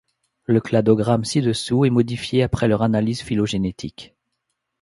Le cladogramme ci-dessous est modifié après leur analyse phylogénétique.